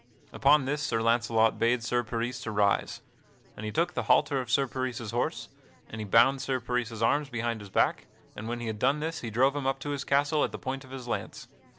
Upon this Sir Launcelot bade Sir Peris rise. And he took the halter of Sir Peris's horse, and he bound Sir Peris's arms behind his back, and when he had done this he drove him up to his castle at the point of his lance.